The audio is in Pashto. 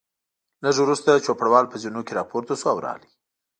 لږ وروسته چوپړوال په زینو کې راپورته شو او راغی.